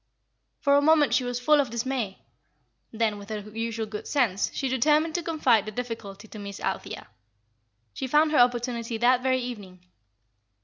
For a moment she was full of dismay, then, with her usual good sense, she determined to confide the difficulty to Miss Althea. She found her opportunity that very evening.